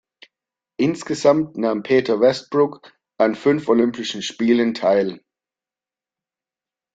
Insgesamt nahm Peter Westbrook an fünf Olympischen Sommerspielen teil.